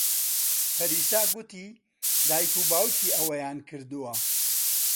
پەریسا گوتی دایک و باوکی ئەوەیان کردووە.